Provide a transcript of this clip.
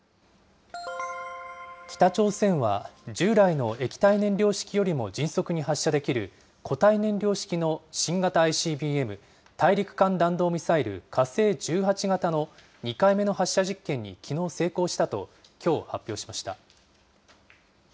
北朝鮮は、従来の液体燃料式よりも迅速に発射できる固体燃料式の新型ＩＣＢＭ・大陸間弾道ミサイル火星１８型の２回目の発射実験にきのう成功したと、きょう発表しました。